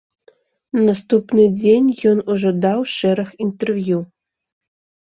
На наступны дзень ён ужо даў шэраг інтэрв'ю.